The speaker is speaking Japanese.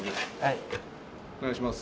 お願いします。